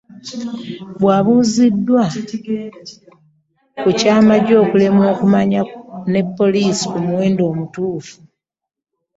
Bwabuuziddwa ku ky'amagye okulemwa okukkaanya ne poliisi ku muwendo omutuufu